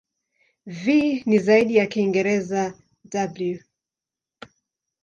V ni zaidi ya Kiingereza "w".